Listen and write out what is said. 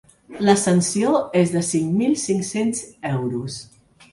La sanció és de cinc mil cinc-cents euros.